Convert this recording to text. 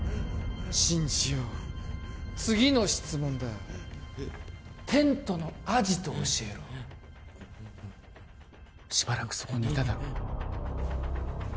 信じよう次の質問だテントのアジトを教えろしばらくそこにいただろ？